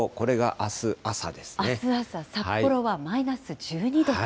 あす朝、札幌はマイナス１２度と。